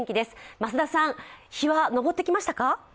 増田さん、日は昇ってきましたか？